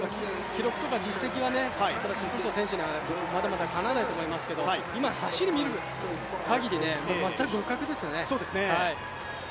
記録とか実績がキプルト選手にはまだまだかなわないと思いますけど、今走りを見るかぎりもう全く互角ですよね。